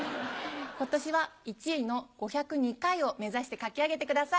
今年は１位の５０２回を目指してかき上げてください